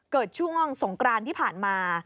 ช่วงสงกรานที่ผ่านมา